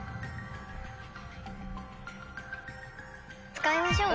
使いましょう。